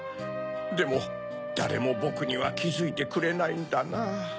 でもだれもぼくにはきづいてくれないんだなぁ。